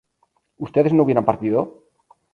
¿ustedes no hubieran partido?